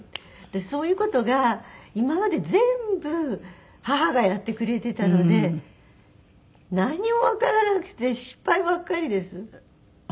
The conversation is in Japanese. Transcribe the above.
そういう事が今まで全部母がやってくれてたのでなんにもわからなくて失敗ばっかりです。